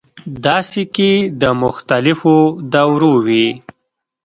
دا سکې د مختلفو دورو وې